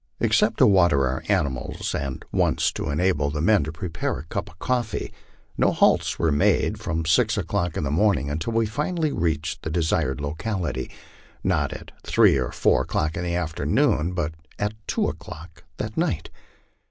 Except to water our animals, and once to 1 enable the men to prepare a cup of coftee, no halts were made from six o'clock in the morning until we finally reached the desired locality not at three or four o'clock in the afternoon, but at two o'clock that night.